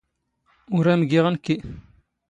ⵓⵔ ⴰⵎ ⴳⵉⵖ ⵏⴽⴽⵉ.